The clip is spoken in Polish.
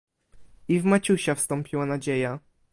"I w Maciusia wstąpiła nadzieja."